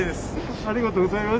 ありがとうございます。